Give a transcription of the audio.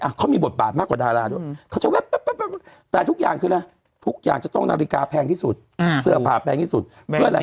หอจะเล่นเหมือนแม่ฉันถึงรวยสักพักแม่